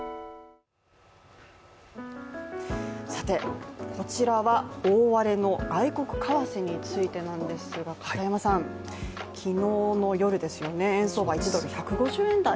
さて、こちらは大荒れの外国為替についてなんですが、昨日の夜、円相場１ドル＝１５０円台。